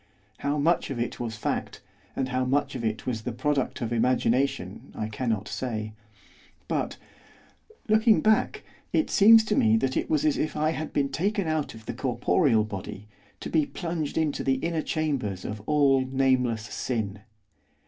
How much of it was fact, and how much of it was the product of imagination I cannot say; but, looking back, it seems to me that it was as if I had been taken out of the corporeal body to be plunged into the inner chambers of all nameless sin.